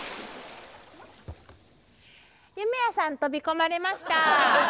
夢屋さん飛び込まれました。